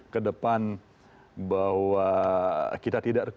kedepan bahwa kita tidak